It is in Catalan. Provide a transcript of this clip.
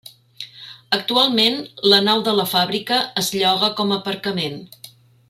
Actualment la nau de la fàbrica es lloga com a aparcament.